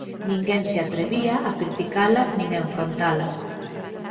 Ninguén se atrevía a criticala nin a enfrontala.